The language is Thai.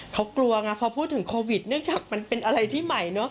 เขากลัวไงพอพูดถึงโควิดเนื่องจากมันเป็นอะไรที่ใหม่เนอะ